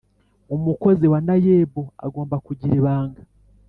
Umukozi wa naeb agomba kugira ibanga